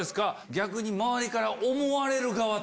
逆に周りから思われる側。